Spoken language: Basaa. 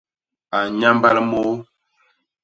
A nnyambal môô.